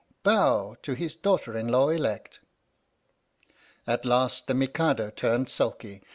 Bow ! To his daughter in law elect. At last the Mikado turned sulky.